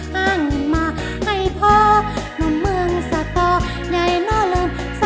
ละม่านด้านหินพอ